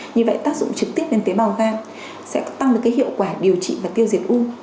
như vậy tác dụng trực tiếp lên tế bào gan sẽ tăng được hiệu quả điều trị và tiêu diệt u